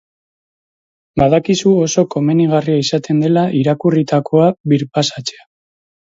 Badakizu oso komenigarria izaten dela irakurritakoa birpasatzea.